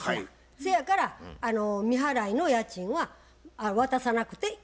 そやから未払いの家賃は渡さなくていいと思います。